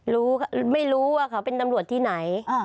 ไม่รู้ว่าเขาเป็นตำรวจที่ไหน